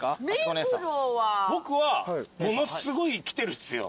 僕はものすごい来てるんですよ。